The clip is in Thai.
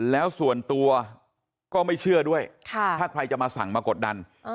แล้วส่วนตัวก็ไม่เชื่อด้วยถ้าใครจะมาสั่งมากดดัน